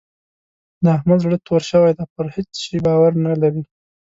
د احمد زړه توری شوی دی؛ پر هيڅ شي باور نه لري.